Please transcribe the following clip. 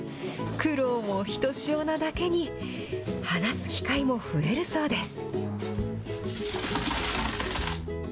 苦労もひとしおなだけに、話す機会も増えるそうです。